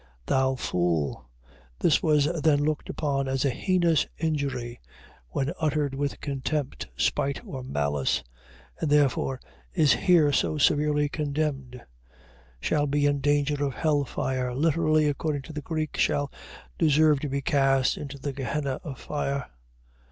Thou fool. . .This was then looked upon as a heinous injury, when uttered with contempt, spite, or malice: and therefore is here so severely condemned. Shall be in danger of hell fire. . .literally, according to the Greek, shall deserve to be cast into the Gehenna of fire.